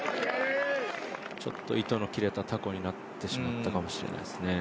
ちょっと糸の切れたたこになってしまったかもしれないですね。